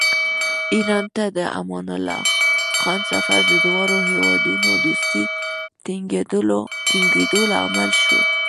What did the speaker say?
ایران ته د امان الله خان سفر د دواړو هېوادونو دوستۍ ټینګېدو لامل شو.